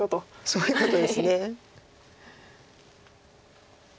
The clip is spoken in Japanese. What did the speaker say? そういうことです。